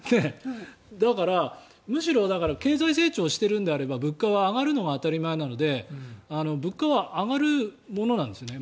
だから、むしろ経済成長してるのであれば物価は上がるのは当たり前なので物価は上がるものなんですね。